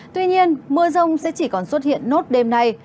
tuy nhiên mưa rông sẽ chỉ còn xuất hiện nốt đêm nay